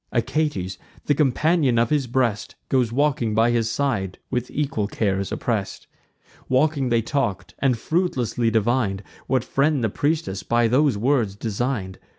Achates, the companion of his breast, Goes grieving by his side, with equal cares oppress'd. Walking, they talk'd, and fruitlessly divin'd What friend the priestess by those words design'd.